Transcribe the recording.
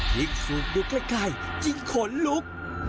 ยิ่งสูงดึกใกล้ยิ่งขนลุก